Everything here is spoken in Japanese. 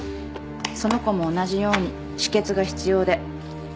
その子も同じように止血が必要で。